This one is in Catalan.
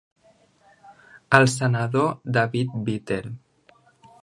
El senador David Vitter.